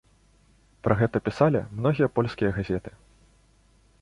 Пра гэта пісалі многія польскія газеты.